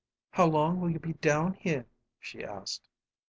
"How long will you be down here?" she asked.